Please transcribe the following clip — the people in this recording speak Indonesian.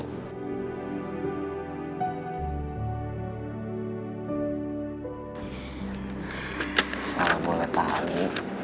kalau boleh tagi